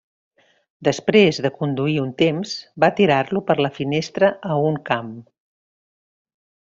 Després de conduir un temps, va tirar-lo per la finestra a un camp.